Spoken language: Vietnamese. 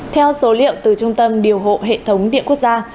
theo số liệu từ trung tâm điều hộ hệ thống điện quốc gia